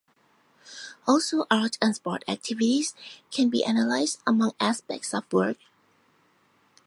Also art and sport activities can be analyzed among aspects of work.